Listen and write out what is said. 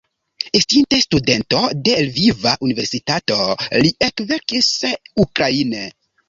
Estinte studento de Lviva Universitato li ekverkis ukraine.